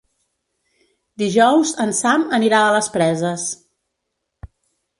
Dijous en Sam anirà a les Preses.